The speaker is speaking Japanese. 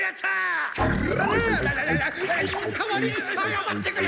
アワワワ代わりに謝ってくれ。